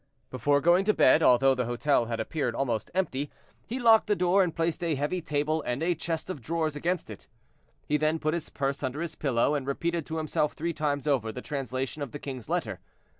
Before going to bed, although the hotel had appeared almost empty, he locked the door and placed a heavy table and a chest of drawers against it. He then put his purse under his pillow, and repeated to himself three times over the translation of the king's letter.